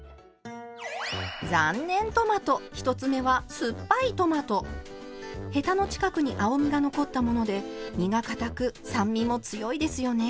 残念トマト１つ目はヘタの近くに青みが残ったもので身がかたく酸味も強いですよね。